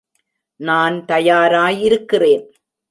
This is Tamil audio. நான் தயாராய் இருக்கிறேன்.